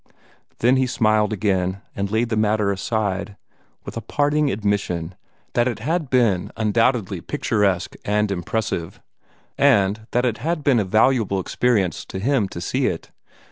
Then he smiled again, and laid the matter aside, with a parting admission that it had been undoubtedly picturesque and impressive, and that it had been a valuable experience to him to see it.